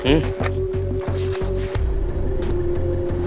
อืม